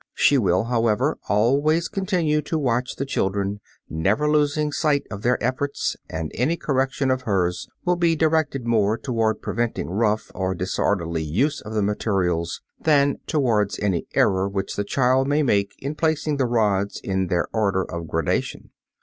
She will, however, always continue to watch the children, never losing sight of their efforts, and any correction of hers will be directed more towards preventing rough or disorderly use of the material than towards any error which the child may make in placing the rods in their order of gradation.